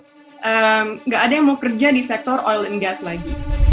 tidak ada yang mau kerja di sektor oil and gas lagi